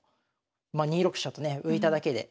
まあ２六飛車とね浮いただけで。